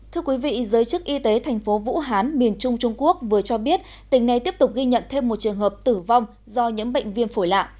thưa quý vị giới chức y tế thành phố vũ hán miền trung trung quốc vừa cho biết tỉnh này tiếp tục ghi nhận thêm một trường hợp tử vong do những bệnh viêm phổi lạ